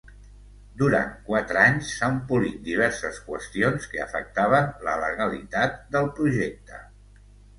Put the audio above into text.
Durant quatre anys s'han polit diverses qüestions que afectaven la legalitat del projecte.